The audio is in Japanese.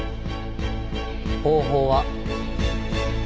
方法は。